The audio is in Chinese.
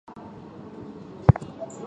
山棕为棕榈科桄榔属下的一个种。